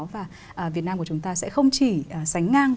và việt nam của chúng ta sẽ không chỉ sánh ngang